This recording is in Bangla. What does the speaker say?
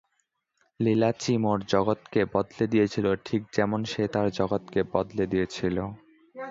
লিলা চিমোর জগৎকে বদলে দিয়েছিল, ঠিক যেমন সে তার জগৎকে বদলে দিয়েছিল।